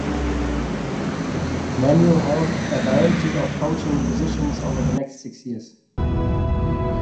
Manuel held a variety of coaching positions over the next six years.